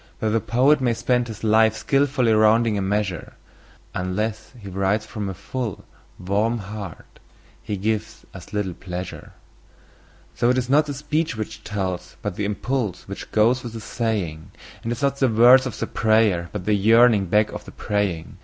Though the poet may spend his life in skilfully rounding a measure, Unless he writes from a full, warm heart he gives us little pleasure. So it is not the speech which tells, but the impulse which goes with the saying; And it is not the words of the prayer, but the yearning back of the praying.